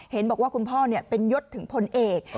เห็นบอกว่าคุณพ่อเป็นยศถึงพลเอก